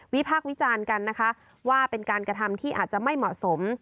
พากษ์วิจารณ์กันนะคะว่าเป็นการกระทำที่อาจจะไม่เหมาะสม